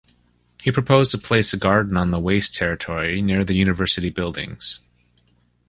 He proposed to place the garden on the waste territory near the university buildings.